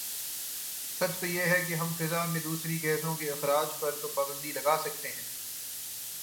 سچ تو یہ ہے کہ ہم فضا میں دوسری گیسوں کے اخراج پر تو پابندی لگاسکتے ہیں